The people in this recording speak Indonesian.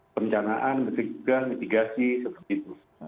pencanaan metrik mitigasi seperti itu